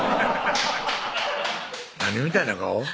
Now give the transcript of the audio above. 何みたいな顔？